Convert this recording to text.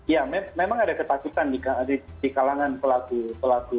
ya memang ada ketakutan nih di kalangan pelaku pelaku